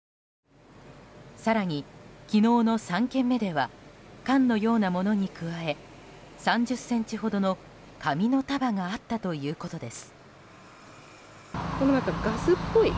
更に、昨日の３件目では缶のようなものに加え３０ｃｍほどの紙の束があったということです。